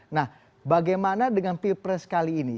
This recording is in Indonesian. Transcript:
nah bagaimana dengan pilpres kali ini